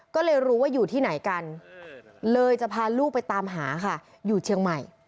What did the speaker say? ก็เลยรู้ว่าอยู่ที่ไหนกันเลยจะพาลูกไปตามหาค่ะอยู่เชียงใหม่